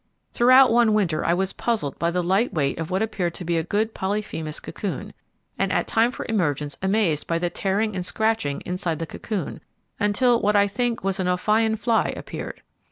Throughout one winter I was puzzled by the light weight of what appeared to be a good Polyphemus cocoon, and at time for emergence amazed by the tearing and scratching inside the cocoon, until what I think was an Ophion fly appeared.